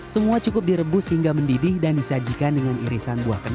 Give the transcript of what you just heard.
semua cukup direbus hingga mendidih dan disajikan dengan irisan buah kelapa